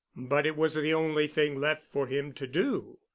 But it was the only thing left for him to do.